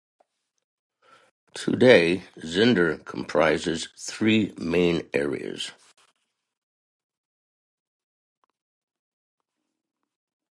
Today, Zinder comprises three main areas.